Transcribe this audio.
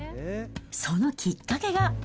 そのきっかけが。